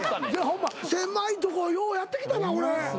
ホンマ狭いとこようやってきたな俺。